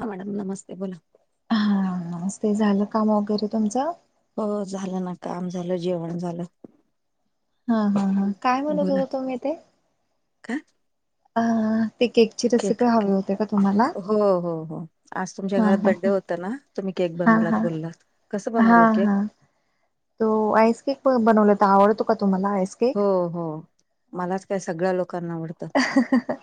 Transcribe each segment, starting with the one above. हा मॅडम नमस्ते बोला. हा नमस्ते झालं काम वगैरे तुमचं? हो झालं ना. काम झालं जेवण झालं. हा हा हा काय म्हणत बोला होता तुम्ही ते? [inaudible] हा [unintelligible] हो हो हो आज तुमच्या हा घरात हा बड्डे होत ना? तुम्ही केक हा बनवलात हा बोललात. कसं हा बनवला केक? हा तो आईसकेक बनवला होता. आवडतो का तुम्हाला आईकक? हो हो मलाच काय सगळ्या लोकांना आवडतो. हा हा.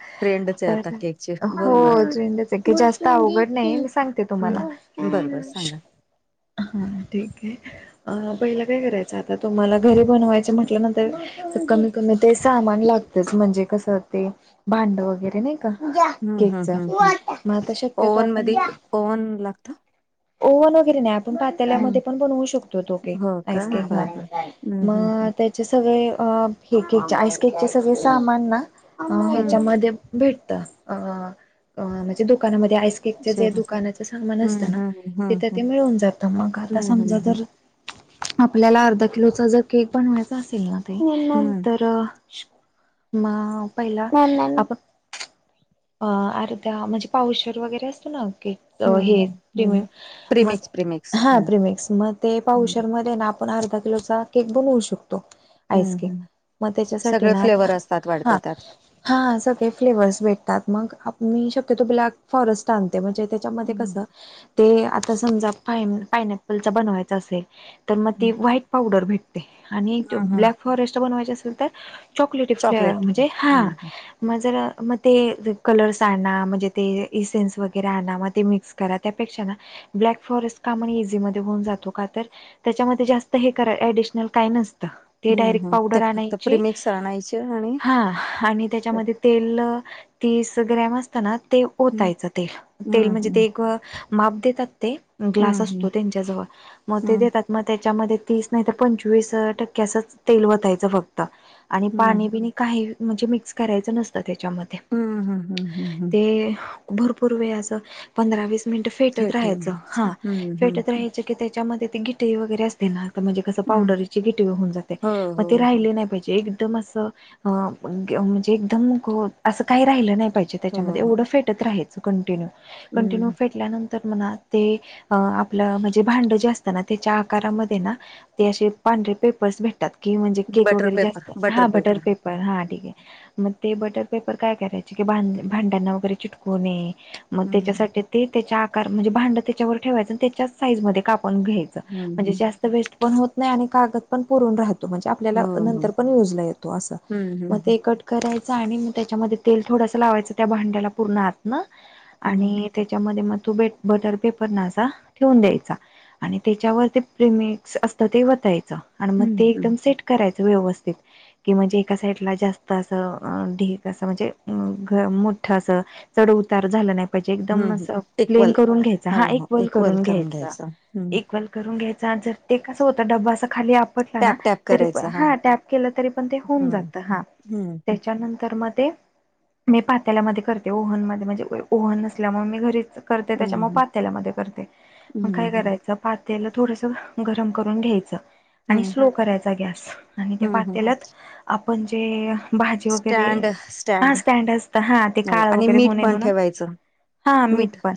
तर केकची हो बोला ना [unintelligible] जास्त अवघड नाही मी सांगते तुम्हाला. हम्म बरं बर सांगा. हा ठीक आहे. पहिला काय करायचं आता तुम्हाला घरी बनवायचे म्हटल्यानंतर कमी कमी ते सामान लागतच. म्हणजे कस ते भांड वगैरे नाही का. हम्म हम्म केकच. हम्म हम्म मग आता शक्यतो ओव्हन आपण मध्ये ओव्हन लागतं ओ ना गिरी न्याप हम्म पातेल्यामधे पण बनवू शकतो तो केक. हो का आईस केक बर म्हणून. बर हम्म हम्म हम्म मग सगळे अ हे केक आईस केक सगळे सामान ना हम्म ह्याच्यामध्ये भेटत. अ अ म्हणजे दुकानामध्ये आईस केकच तिथे जे जेवण दुकानाच सामान असत हम्म ना, हम्म तिथे हम्म ते मिळून जात. मग आता हम्म हम्म समजा हम्म हम्म जर, आपल्याला अर्धा किलोचा जर केक बनवायचा असेल ना हम्म तर म पहिला आपण अर्धा, म्हणजे पाऊशेर वगैरे असतो ना केक. अ हं, हे हं, प्रिमे, हं. मग प्रिमिक्स, प्रिमिक्स. हा हं. प्रिमेक्स‌. मग ते हं. पाऊशेरमध्ये ना आपण अर्धा किलोचा केक बनवू शकतो. आईस हं, केक. हं. मग त्याच्यासाठी सगळे ना आता फ्लेवर असतात वाटतं हा त्यात. हा सगळे फ्लेवर्स भेटतात. मग आप मी शक्यतो ब्लॅक फॉरेस्ट आणते. म्हणजे ते त्यामधे हं, कस, ते आता समजा पाय पायनेपलचा बनवायच असेल तर मग ती हं. व्हाईट पावडर भेटते. आणि ते हां, हां. ब्लॅक फॉरेस्ट बनवायचे असेल तर चॉकलेटी फ्लेवर, चॉकलेट. हं, म्हणजे हा हं. मग जर म ते कलर्स आणा. म्हणजे ते इसेन्स वगैरे आणा. मग ते मिक्स करा. त्यापेक्षा ना ते ब्लॅक फॉरेस्ट का म्हण इझी मध्ये होऊन जातो. का तर त्याच्यामध्ये जास्त हे करा, एडिशनल काय नसत. ते हं, डायरेक्ट हं. ते पावडर फक्त आणायची. प्रिमिक्स आणायचे आणि हा, आणि त्याच्यामध्ये तेल तीस ग्रॅम असत ना ते हं, ओतायच तेल‌‌. तेल हं, म्हणजे ते हं. एक माप देतात ते. ग्लास हं, असतो हं. त्यांच्याजवळ. मग ते हं, देतात. मग त्याच्यामध्ये तीस नाही तर पंचवीस टक्के असच तेल वतायच फक्त. आणि, पाणी हं. बिणी काही म्हणजे मिक्स करायच नसत त्याच्यामध्ये. हं, हं, हं, हं, हं. ते भरपूर वेळ अस पंधरा विस मिनट फेटत फेटून राहायच. हा हं, हं, फेटत हं. राहायच की त्याच्यामध्ये ते गिठई वगैरे अस णार. म्हणजे कस हं. पावडरची गिठई होऊ जाते. हो, मग हो, ते हो. राहिले नाही पाहिजे. एक एकदम अस म्हणजे, एकदम अस काही राहिल नाही पाहिजे हो, त्याच्यामध्ये. हो. एवढ फेट त राहायच कंटिन्यू. कंटिन्यू हं. फेटल्यानंत तर म्हणा ते आपल म्हणजे, भांड जे असत ना त्याच्या आकारामध्ये ना ते असे पांढरे पेपर्स भेटतात. कि म्हणजे केक बटर वगैरे पेपर, जास्त हा बटर पेपर. पेप पण हा ठीक हे. मग ते बटर पेपर काय करायचे की, भा भांड्यांना वगैरे चिटकू नये. मग हं, हं. त्याच्यासाठी ते त्याच्या आकार म्हणजे भांड त्याच्यावर ठेवायच आणि त्याच्याच साईज मध्ये कापून घ्यायच. हं, म्हणजे हं. जास्त वेस्ट पण होत नाही. आणि कागद पण पुरून राह तो. म्हणजे आपल्याला हो, हो. नंतर पण युजला येतो अस. हं, हं, मग हं. ते कट करायच आणि मग ते त्याच्या मधे तेल थोडस लावायच त्या भांड्याला पूर्ण आतन. हं, आणि त्याच्यामध्ये मग तू बे बटर पेपर न असा ठेवून द्यायचा. आणि, त्याच्यावर ते प्रिमिक्स असत ते वतायच. आणि मग हं, ते हं. एकदम सेट करायच व्यवस्थित. कि म्हणजे एका साईडला जास्त अस ढिग कस म्हणजे अ मोठ अस चढ उतार झाल नाही पाहीजे. एकदम हम्म कसा प्लेन इक्वल करून घ्यायचा. हा हो हो ईकवल इक्वल करून घ्यायचा. घ्यायचं हम्म इक वल करून घ्यायचा. आणि जर ते कस होत डबा अस खाली आप टॅप टॅप तरी पण करायचं हा टॅप के तरी पण ते होऊन हम्म जात. हा हम्म त्याच्यानंतर मग ते मी पात्यालामध्ये करते ओव्हन मध्ये म्हणजे ओव्हन नसल्यामुळे मी घरीच करते त्याच्या हम्म मग हम्म पातेल्या मधे करते मग हम्म काय हम्म करायच पातेल थोडंसं गरम करून घ्यायचं आणि हम्म स्लो करायचा गॅस आणि ते हम्म हम्म पातेल्यात आपण जे भाजी वगैरे हा स्टँड असत हा ते हो काळं आणि वगैरे हो मीठ नये पण म्हणून ठेवायचं हा मीठ पण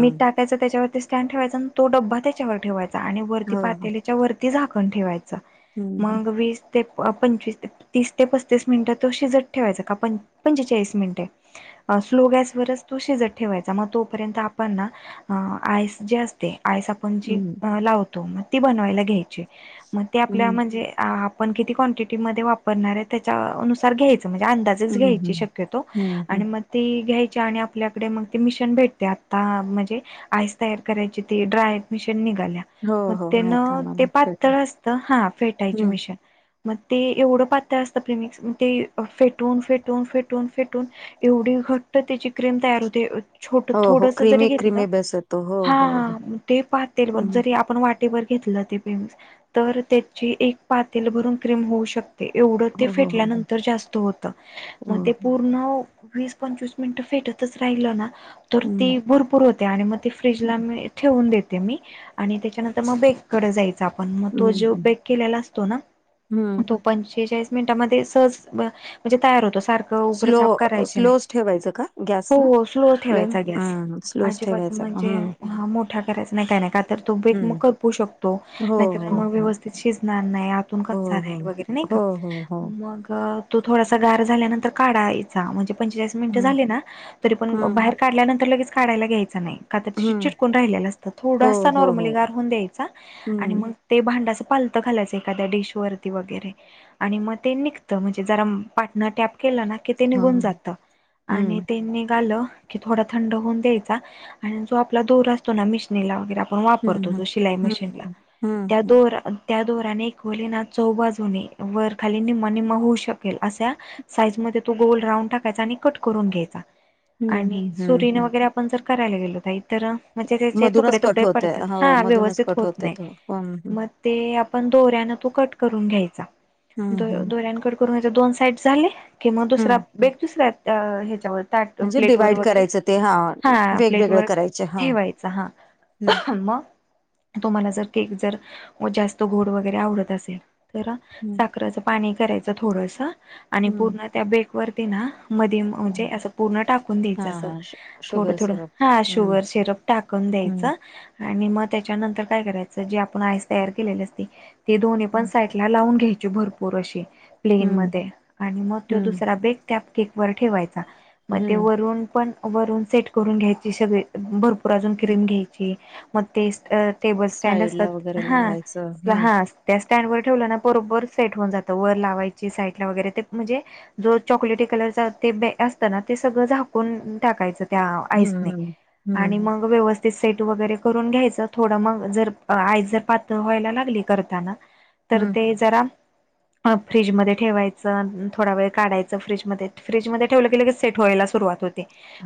मीठ टा त्याच त्याच्यावरती स्टँड ठेवायचा आणि तो डब्बा त्याच्यावर ठेवायचा आणि वरती हो हो पातेलीच्या वरती झाकण ठेवायचं चा हम्म मग वीस तें पंचवीस तीस ते पस्तीस मिनिटं शिजत ठेवाय का पन पंचेचाळीस मिनिटं अं स्लो गॅसवरच तो शिजत ठेवायचा मग तोपर्यंत आपण ना हां आईस जे असते आईस आप पण जे हम्म लावतो मग ती बनवाला घ्यायची मग आपल्या हम्म म्हणजे आप पण किती क्वांटिटी मध्ये वापरणार आहे त्याच्यानुसार घ्यायचं म्हणजे अंदाज रिच हम्म हम्म घ्यायच शकेतो हम्म हम्म आणि मग ती घ्यायची आणि आपल्याकडे मग ते मिशन भेटते आत्ता म्हणजे आईस तयार करायची ती ड्रायट मशिन निघाल्या हो मग हो तेन माहित आहे ते मला पेटो पातळ असतं हा फेटायची हम्म मशिन मग ते एवढं पातळ असतं प्रेमिक्स मग ते फेट फेटून फेटून फेटून फेटून एवढी घट्ट त्याची क्रीम तयार होते छोटं हो हो थोडसं जरी क्रिमी घेतलं ना क्रिमी बेस येतो हो हो हो हा ते पातेल पण क्रिमी जरी आपण वाट ते वर घेतलं ते पिंच तर त्याची एक पातेल भरून क्रिम होऊ शक एवढं ते हो हो हो हो फेटल्यानंतर जास्त होतं मग हो ते पू वीस पंचवीस मिनिट फेटतच राहिलं ना तर ते हम्म भरपूर हो त्या अन् आणि मग ते फ्रीजला हम्म मी ठेवून देते मी आणि त्याच्यानंतर मग बेककडं जायचं आप पण मग तो जो हम्म बेक केलेला असतो ना हम्म तो पंचाळीस मिनटामध्ये सहज म्हणजे तयार होतो सार उघड झाप स्लो करायची नाही स्लोच ठेवायचं का गॅस हो स्लो फ्लेम ठेवायचा गॅस हम्म स्लोच अजिबात ठेवायचा का? म्हणजे हम्म हा मोठा करायचा नाही काय नाही का तर तो बेक मग हम्म करपू शकतो हो नाहीतर हो मग व्यवस्थित शिजणार नाही आ हो कच्चा हो राहिल वगैरे नाही हो का हो हो हो मग तो थोडासा गार झाल्यानंतर काढाय जा म्हणजे पंचेचाळीस मिनिटं हम्म झाले ना तरी पण हम्म बाहेर काढल्यानंतर लगेच काढायला घ्यायचं नाही का तर हम्म चिटकून राहिलेलं असतं हो थोडासा हो नॉर्मली हो गार होऊन द्यायचा आणि हम्म मग ते भांडं असं पालतं खालायचं एखाद्या डिश वरती वगैरे आणि मग ते निघतं म्हणजे जरा पार्टनर टॅप केलं ना कि ते हो निघून हो जात आणि हम्म ते निघालं की थोडा थंड होऊन द्यायचा आणि जो आपला दोरा अस तो ना मिशनीला वगैरे आपण वापरतो हम्म हम्म जो शिलाई हम्म मशीनला हम्म त्या हम्म दोर त्या दोराने एक वलेना चौबाजूने वर खाली निमा निमा होऊ शक अशा साईज मध्ये तो गोल राऊंड टाकायचा आणि कट करून घ्यायचा हम्म आणि हम्म सुरीने हम्म वगैरे आपण जर करायला गेलो ताई तर म्हणजे त्याचे मधूनच तुकडे कट तुकडे होतय पडतात हो हा मधूनच व्यवस्थित कट होत होतय नाही तो हम्म हम्म मग ते आपण दोऱ्यानं तू कट करून घ्यायचा हम्म दो हम्म दोऱ्यान कट करून ह्याच्या दोन साईड झाले कि मग दुसरा हम्म बेग दुसऱ्या अं ह्याच्यावर ताट म्हणजे प्लेट वर डिवाइड वगैरे करायचं ते हा प्लेट वेगवेगळे वर करायचे हा ठेवायचा हा हम्म मंग तुम्हाला जर केक जर व जास्त गोड वगैरे आवडत असेल तरा हम्म साखरंच पाणी करायचं थोडंस आणि हम्म पूर्ण त्या बेक वरती ना मधी हम्म म्हणजे असं पूर्ण टाकून हा द्यायचं असल हा शु- थोडं शुगर थोडं सिरप हा हम्म शुगर सिरप टाकून हम्म द्यायचं आणि मग त्याच्यानंतर काय करायचं जे आपण आइस तयार केलेल असतय. ते दोन्ही पण साईडला लावून घ्यायचे भरपूर अशे हम्म प्लेनमध्ये आणि मग तो हम्म दुसरा बेग त्या केकवर ठेवायचा मग ते हम्म वरून पण वरून सेट करून घ्यायची सगळी भरपूर अजून क्रीम घ्यायची मग ते अं टेबल स्टॅंड साईड ला असतात वगैरे हा लावायचं हम्म स्लहास त्या स्टँड वर ठेवल ना बरोबर सेट होऊन जातं वर लावायची साईड ला वगैरे ते म्हणजे जो चॉकलेटी कलरचा ते ब्रेड असतं ना ते सगळं झाकून टाकायचं. त्या आईसने हम्म हम्म आणि हम्म मग व्यवस्थि ते सेट वगैरे करून घ्यायचं थोडं मग जर आईस जर पातळ व्हायला लागली करताना. तर हम्म ते जरा आ फ्रीजमध्ये ठेवायचं थोडा वेळ काढायचं फ्रीजमध्ये फ्रीजमध्ये ठेवलं की लगेच सेट व्हायला सुरुवात हो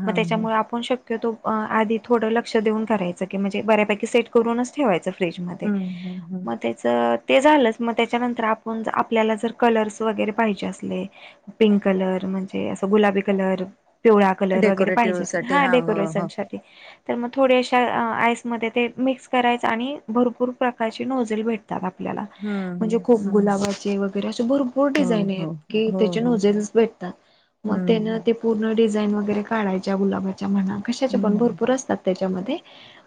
हा मग हा त्याच्यामुळे आपण शक्यतो आधी थोड लक्ष देऊन करायच की म्हणजे बऱ्या पैकी सेट करूनच ठेवायचं फ्रिज मध्ये हम्म हम्म हम्म मग ते तर ते झालंच मग त्याच्यानंतर आपुण आपल्याला जर कलर्स वगैरे पाहिजे असले पिंक कलर म्हणजे असं गुलाबी कलर पिवळा कलर वगैरे डेकोरेटिव्ह पाहिजे असे साठी हा हो डेकोरेशन हो साठी तर मग थोड्या अशा आईसमध्ये ते मिक्स करायचं आणि भरपूर प्रकारची नोझेल भेट तर आपल्याला म्हणजे हम्म खूप हम्म गुलाबांची वग तर असे भरपुर हो डिजाईनी आहेत हो की हो त्याचे हो नोझेल्स भेटतात मग त्यानं हम्म ते पूर्ण डिझाईन वगैरे काढायच्या गुलाबाच्या म्हना कशाच्या पण हम्म भरपूर असतात त्याच्यामध्ये.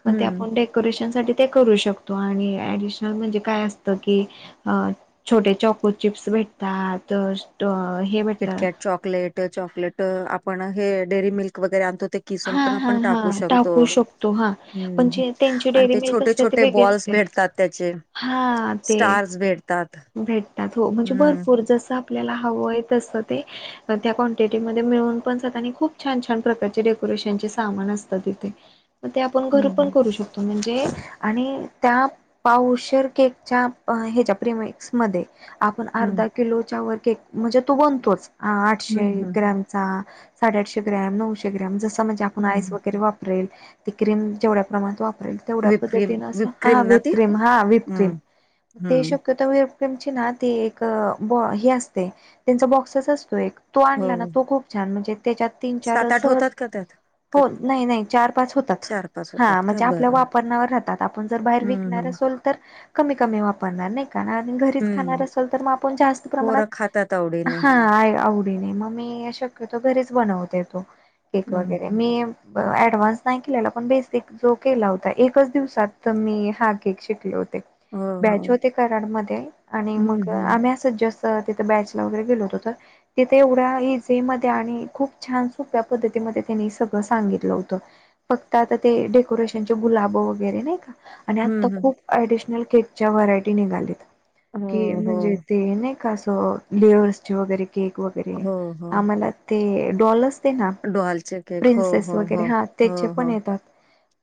मग ते हम्म आपण डेकोरेशन साठी ते करू शकतो आणि ऍडिशनल म्हणजे काय असत की अं छोटे चॉकोचिप्स भेटतात [unintelligible] किटकॅट चॉकलेट, चॉकलेट आपण हे डेरीमिल्क वगैरे आणतो ते किसून हा पण हा आपण हा टाकू शकतो. शकतो हा. पण हंम्म जे त्यांची आणि डेअरी ते मिल्क छोटे असते ते छोटे वेगळी बॉल्स असते भेटतात. त्याचे हा ते स्टार्स भेटतात भेटतात हो म्हणजे हम्म. भरपूर जसा आपल्याला हवयं तस ते त्या कॉन्टिटी मधे मिळून पण जात आणि खूप छान छान प्रकारचे डेको डेकोरेशन चे सामान असतात तिथे मग ते आपण हम्म घरीपण हम्म. करू शक म्हणजे आणि त्याप पावशेर केकच्या ह्याच्या प्रिमिक्स मध्ये आपण अर्धा हम्म. किलोच्या वर केक म्हणजे तो बनतोच आठशे हम्म हम्म. ग्रॅमचा साडेआठशे ग्रॅम नऊशे ग्रॅम जसं म्हणजे आपण आईस हम्म. वगैरे वापरेल ती क्रीम जेवढ्या प्रमाणात वापरेल. तेवढ्या विपक्रीम पद्धतीन अस विपक्रीम हा ना ती व्हिपक्रिम हा व्हिपक्रिम हम्म ते हम्म. शक्य ते व्हिपक्रिम ची ना ती एक हे असते त्यांचा बॉक्सचं असतो एक तो हो आणला ना तो खूप छान म्हणजे त्याच्यात तीन चार सात, आठ सहज होतात का त्यात का हो नाही, नाही चार -पाच होतात. चार पाच हा होतात का म्हणजे आपल्या बरं वापरण्यावर राहतात आपण जर बाहेर हम्म विकणार हम्म. असोल तर कमी, कमी वापरणार नाही आणि घरीच खाणार हम्म असेल तर मग आपण जास्त प्रमाणात पोरं खातात आवडीने हा आवडी ने मग मी शक्यतो घरीच बनवते तो केक हम्म वगैरे मी ऍडव्हान्स नाही केलेला पण बेसिक जो केला होता एकच दिवसात मी हा केक शिकले होते हो हो. बॅच होते कराड मध्ये आणि हम्म मग हम्म आम्ही अस जस्ट तिथे बॅचला वगैरे गेलो होतो तर तिथे एवढ्या इझी मध्ये आणि खूप छान सोप्या पद्धतीमध्ये त्यांनी सगळं सांगितलं होतं फक्त आता ते डेकोरेशनचे गुलाब वगैरे नाही का आणि आता हम्म हम्म खूप ॲडिशनल केकच्या व्हरायटी निघालेत की हो हो. म्हणजे ते नाही का असं लेयर्सचे वगैरे केक वगैरे हो आम्हाला ते डॉल असते ना डॉल चे प्रिन्सेस वगैरे हा त्याचे पण येतात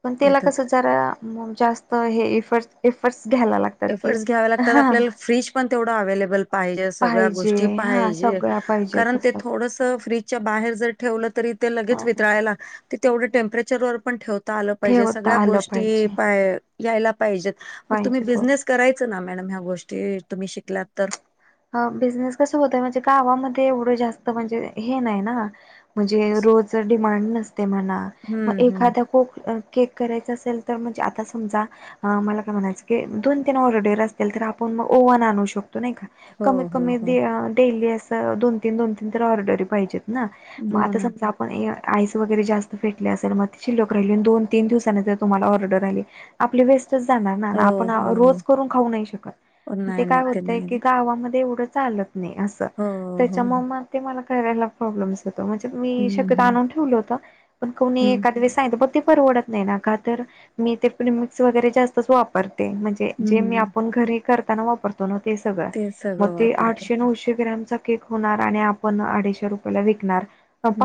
पण त्याला येतात. कसं जरा मग जास्त हे इफर्ट्स इफर्ट्स घ्यायला लाग इफर्ट्स घ्याव्या लागतात आपल्याला फ्रीज पण तेवढं अवेलेबल पाहिजे सगळ्या पाहिजे गोष्टी हा पाहिजे सगळ्या पाहिजेत कारण ते असतात. थोडस फ्रिज फ्रिज च्या बाहेर जर ठेवलं तरी ते लगेच वितळायला ते तेवढ टेम्परेचरवर पण ठेवता आल पाहिजे ठेवता सगळ्या आलं गोष्टी पाहिजे यायला पाहिजेत मग तुम्ही पाहिजे थोडं. बिझनेस करायचं ना मॅडम ह्या गोष्टी तुम्ही शिकलात तर हा बिझनेस कस होतय म्हणजे गावामध्ये एवढं जास्त म्हणजे हे नाही ना म्हणजे रोज डिमांड नसते म्हणा म हम्म हम्म एखाद्या खूप केक करायचा असेल तर म्हणजे आता समजा मला काय म्हणायचं की दोन तीन ऑर्डर असतील तर आपण मग ओव्हनात शकतोय नाही का हो कमीत हो कमी हो डेली अस दोन तीन दोन तीन तर ऑर्डरी पाहिजेत ना म हो आता ना समजा पण आईस वगैरे जास्त फेटले असेल मग ती शिल्लक राहिली आणि दोन तीन दिवसा नंतर तुम्हाला ऑर्डर आली आपली वेस्टच जाणार ना हो आपण हो रोज करून खाऊ नाही शकत हो ते नाही काय नाही होतय नाही की गावामध्ये एवढं चालत नाही असं हो हो त्याच्यामुळ मग ते मला करायला प्रॉब्लेम म्हणजे मी हम्म शक्यतो हम्म आणून ठेवल होत पण कोणी हम्म एखाद्यावेळेस सांगितलं ते परवडत नाही का तर मी ते प्रीमिक्स वैगरे जास्तच वापरते म्हणजे जे मी हम्म आपण घरी करताना वापरतो ना ते सगळं ते सगळं मग आठशे वापरतात नऊशे ग्रमचा केक होणार आणि आपण अडीचशे रुपयला विकणार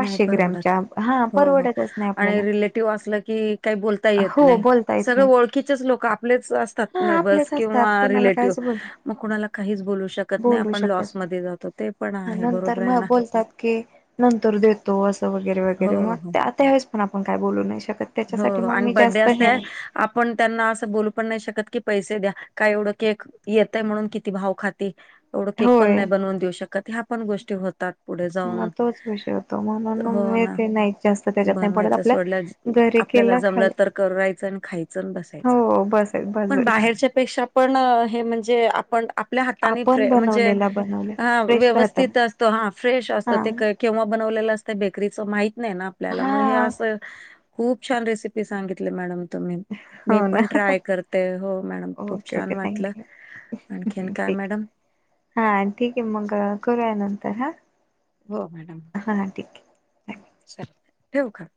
नाही परवडत ग्रॅमच्या हा हो हो परवडतच नाही आणि आपल्याला रिलेटिव्ह असलं की काही बोल ता येत हो नाही बोलता येत सगळे नाही. ओळखीचेच लोक आपलेच असतात हा नेबर्स आपलेच असतात किंवा कुणाला रिलेटीव कायच बोल मग कुणाला काहीच बोलू शकत नाही बोलू आपण शकत नाही लॉसमध्ये जातो ते पण आणि आहे नंतर बरोबर आहे मग ना. बोलतात की नंतर देतो तो असं वगैरे हो वगैरे मग हो त्या त्या वेळेस पण आपण काय बोलू नाही शकत हो त्याच्यासाठी हो मग आणि मी बड्डे जास्त असते हे नाही आपण त्यांना असं बोलू पण नाही शकत की पैसे द्या काय एवढं केक येतय म्हणून किती भाव खाती एवढं केक पण होय नाही बनवून देऊ शकत ह्या पण गोष्टी होतात पुढे मग जाऊन तोच विषय होतो म्हणून हो मी ना ते नाही जास्त त्याच्यात नाही पडत बनवायचं आपल्या सोडल्या घरी आपल्याला केला खाल जमलं तर करायचं आणि खायचं च आणि बसायचं हो बस बस पण झालं बाहेरच्या पेक्षा पण हे म्हणजे आपण आपल्या हाताने आपण फ्रे म्हणजे बनवलेला बनवला फ्रेश राहतं ना व्यवस्थित असतो हा फ्रेश असतो ते हा केक केंव्हा बनवलेलं असतं बेकरीचं माहित नाही ना आपल्याला मग हे हा असं खूप छान रेसिपी सांगितली मॅडम तुम्ही मी हो ना पण ट्राय करते हो मॅडम खूप ओके छान ओके वाटलं थँक्यू आणखीन काय ठीक मॅडम? हा ठीक आहे मग करूया नंतर हा. हो मॅडम. हा ह ठीकेय. चला ठेऊ का.